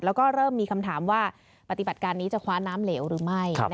แล้วก็เริ่มมีคำถามว่าปฏิบัติการนี้จะคว้าน้ำเหลวหรือไม่